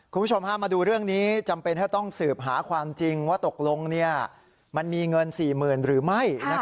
คุณผู้ชมพามาดูเรื่องนี้จำเป็นถ้าต้องสืบหาความจริงว่าตกลงมันมีเงิน๔๐๐๐หรือไม่